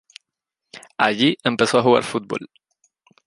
Allí, empezó a jugar fútbol.